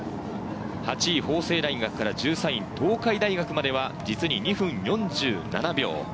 ８位・法政大学から、１３位・東海大学までは実に２分４７秒。